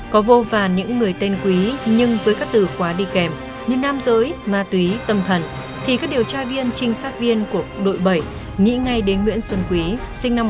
có vô vàn những người tên quý nhưng với các từ khóa đi kèm như nam giới ma túy tâm thần thì các điều tra viên trinh sát viên của đội bảy nghĩ ngay đến nguyễn xuân quý sinh năm một nghìn chín trăm tám mươi